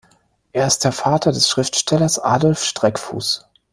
Er ist der Vater des Schriftstellers Adolf Streckfuß.